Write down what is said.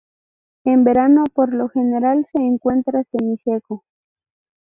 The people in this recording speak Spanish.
En verano, por lo general, se encuentra semiseco.